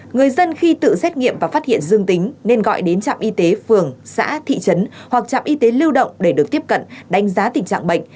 người dân khi tự xét nghiệm và phát hiện dương tính nên gọi đến trạm y tế phường xã thị trấn hoặc trạm y tế lưu động để được tiếp cận đánh giá tình trạng bệnh